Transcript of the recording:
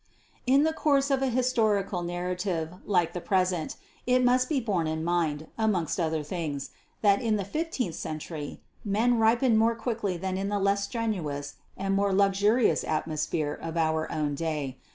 In the course of a historical narrative like the present it must be borne in mind (amongst other things) that in the fifteenth century, men ripened more quickly than in the less strenuous and more luxurious atmosphere of our own day.